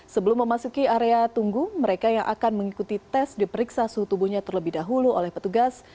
sebelum memasuki area tunggu mereka yang akan mengikuti tes diperiksa suhu tubuhnya terlebih dahulu oleh petugas